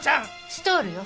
ストールよ。